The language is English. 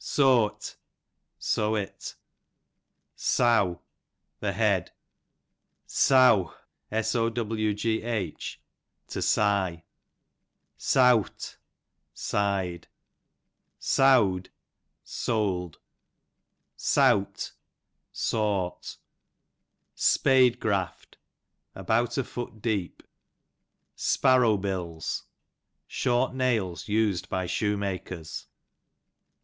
So't, so it. Sow, the head. Sowgh, to sigh. Sowght, sighed. Sowd, sold. Sowt, sought. Spade graft, about afoot deep. Sparrow bills, short nails used by shoemakers.